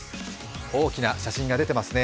大きな写真が出てますね。